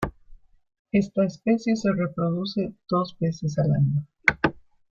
Esta especie se reproduce dos veces al año.